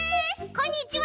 こんにちは！